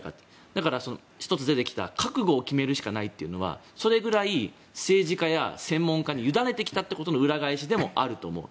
だから、１つ出てきた覚悟を決めるしかないというのはそれぐらい政治家や専門家にゆだねてきたということの裏返しでもあると思う。